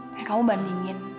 dan kamu bandingin